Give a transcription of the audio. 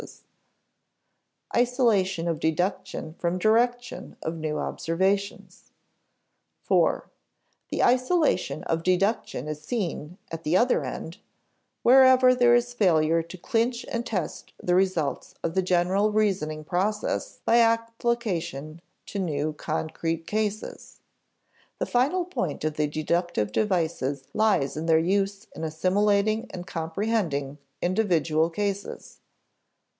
[Sidenote: Isolation of deduction from direction of new observations] (iv) The isolation of deduction is seen, at the other end, wherever there is failure to clinch and test the results of the general reasoning processes by application to new concrete cases. The final point of the deductive devices lies in their use in assimilating and comprehending individual cases.